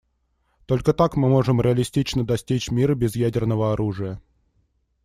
Только так мы можем реалистично достичь мира без ядерного оружия.